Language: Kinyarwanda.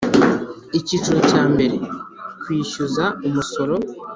Icyiciro cya mbere Kwishyuza umusoro